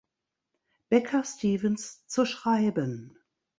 Becca Stevens zu schreiben.